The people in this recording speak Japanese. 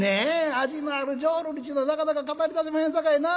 味のある浄瑠璃っちゅうのはなかなか語りいたしませんさかいな。